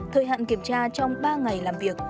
thời hạn kiểm tra trong ba ngày làm việc